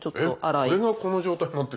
これがこの状態になって？